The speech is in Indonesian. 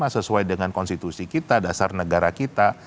sesuai dengan konstitusi kita dasar negara kita